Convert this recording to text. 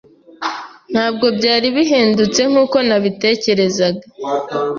Ntabwo byari bihendutse nkuko nabitekerezaga.